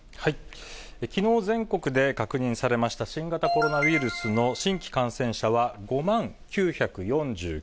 きのう全国で確認されました新型コロナウイルスの新規感染者は５万９４９人。